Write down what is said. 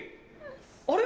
あれ？